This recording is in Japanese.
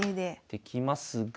できますが。